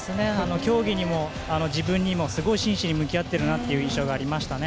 競技にも自分にもすごい真摯に向き合ってるなという印象がありましたね。